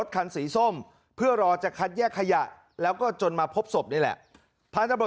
ครับ